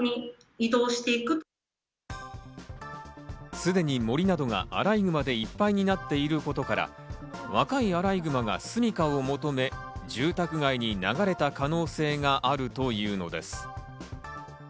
すでに森などがアライグマでいっぱいになっていることから、若いアライグマがすみかを求め住宅街に流れた可能性があるというのです。